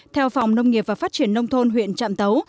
theo phòng nông nghiệp và phát triển nông thôn huyện trạm tấu